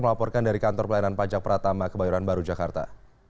melaporkan dari kantor pelayanan pajak pratama kebayoran baru jakarta